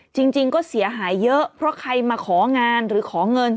จริงก็เสียหายเยอะเพราะใครมาของานหรือขอเงิน